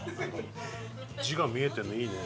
字が見えてるのいいね。